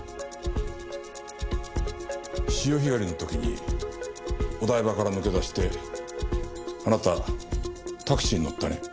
潮干狩りの時にお台場から抜け出してあなたタクシーに乗ったね？